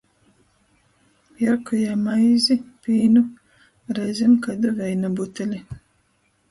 Pierku jai maizi, pīnu, reizem kaidu veina buteli.